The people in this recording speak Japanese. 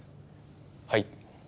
はい。